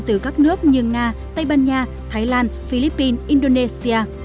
từ các nước như nga tây ban nha thái lan philippines indonesia